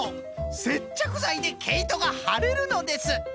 せっちゃくざいでけいとがはれるのです。